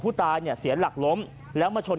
ผู้ตายเนี่ยเสียหลักล้มแล้วมาชน